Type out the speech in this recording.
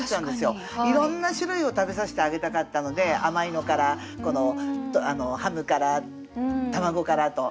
いろんな種類を食べさせてあげたかったので甘いのからハムから卵からと。